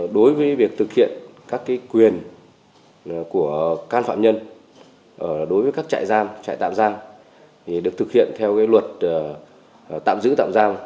đối với việc thực hiện các quyền của can phạm nhân đối với các trại giam trại tạm giam được thực hiện theo luật tạm giữ tạm giam